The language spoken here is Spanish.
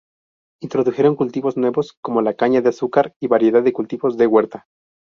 Introdujeron cultivos nuevos como la caña de azúcar y variedad de cultivos de huerta.